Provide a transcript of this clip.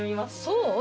そう？